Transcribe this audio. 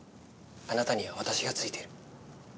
あなたには私がついている。